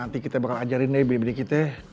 nanti kita bakal ajarin deh bbd kita